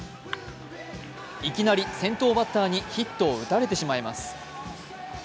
いきなり先頭バッターにヒットを打たれてしまいます。